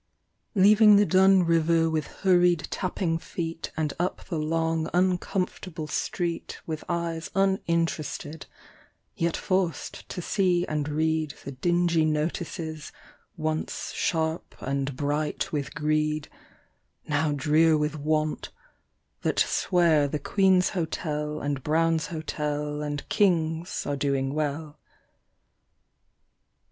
LEAVING the dun river with hurried tapping feet And up the long uncomfortable street With eyes uninterested yet forced to see and read The dingy notices once sharp and bright with greed, Now drear with want, that swear the Queen's Hotel And Brown's Hotel and King's are doing well.